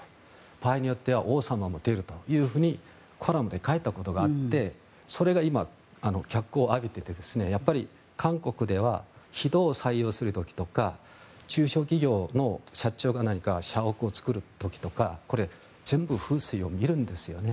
場合によっては王様も出るとコラムに書いたことがあってそれが今、脚光を浴びていてやっぱり韓国では人を採用する時とか中小企業の社長が何か社屋を作る時とかこれ、全部風水を見るんですよね。